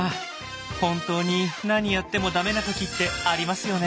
本当に何やっても駄目な時ってありますよね。